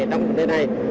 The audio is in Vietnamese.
trong thế này